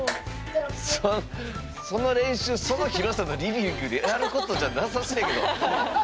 その練習その広さのリビングでやることじゃなさそうやけど。